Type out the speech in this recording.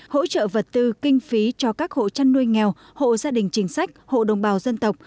hỗ trợ vật tư kinh phí cho các hộ chăn nuôi nghèo hộ gia đình chính sách hộ đồng bào dân tộc